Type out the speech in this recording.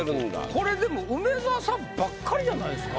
これでも梅沢さんばっかりじゃないですか？